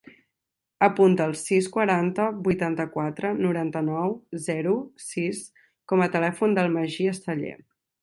Apunta el sis, quaranta, vuitanta-quatre, noranta-nou, zero, sis com a telèfon del Magí Esteller.